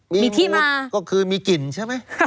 มีที่มุดก็คือมีกลิ่นใช่ไหม